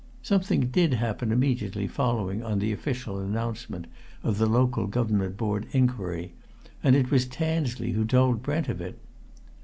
Something did happen immediately following on the official announcement of the Local Government Board inquiry, and it was Tansley who told Brent of it.